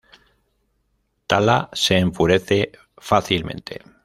Tala se enfurece fácilmente.